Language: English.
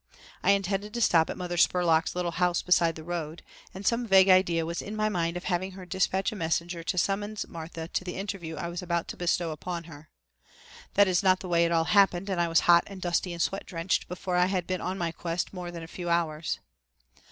I intended to stop at Mother Spurlock's "Little House Beside the Road," and some vague idea was in my mind of having her dispatch a messenger to summons Martha to the interview I was about to bestow upon her. That is not the way it all happened and I was hot and dusty and sweat drenched before I had been on my quest more than a few hours.